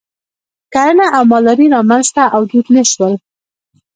کرنه او مالداري رامنځته او دود نه شول.